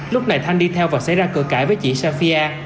lúc này thanh đi theo và xảy ra cửa cãi với chị safia